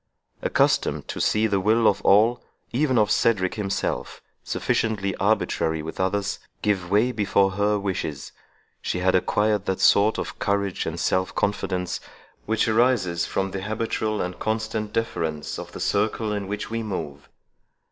Accustomed to see the will of all, even of Cedric himself, (sufficiently arbitrary with others,) give way before her wishes, she had acquired that sort of courage and self confidence which arises from the habitual and constant deference of the circle in which we move.